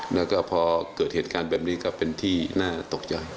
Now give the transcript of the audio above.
แล้วก็พอเกิดเหตุการณ์แบบนี้ก็เป็นที่น่าตกใจ